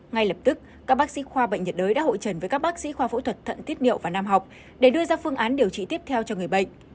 ngay lập tức các bác sĩ khoa bệnh nhiệt đới đã hội trần với các bác sĩ khoa phẫu thuật thận tiết niệu và nam học để đưa ra phương án điều trị tiếp theo cho người bệnh